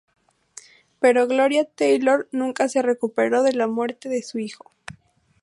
Pero Gloria Taylor nunca se recuperó de la muerte de su hijo.